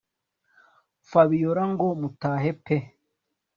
Fabiora ngo mutahe pe